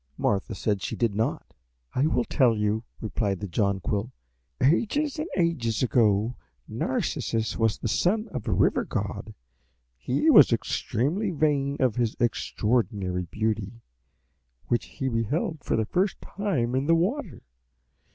Martha said she did not. "I will tell you," replied the Jonquil. "Ages and ages ago Narcissus was the son of a river god. He was extremely vain of his extraordinary beauty, which he beheld for the first time in the water.